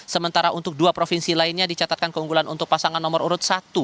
sementara untuk dua provinsi lainnya dicatatkan keunggulan untuk pasangan nomor urut satu